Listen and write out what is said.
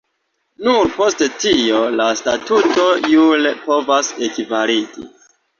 Nur post tio la statuto jure povos ekvalidi.